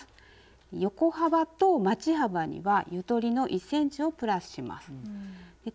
横幅とまち幅にはゆとりの１ｃｍをプラスします。